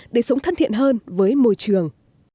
để sống thân thiện hơn với môi trường